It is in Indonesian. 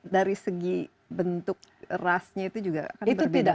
dari segi bentuk rasnya itu juga kan berbeda